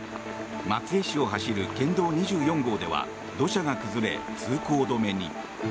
松江市を走る県道２４号線では土砂が崩れ、通行止めに。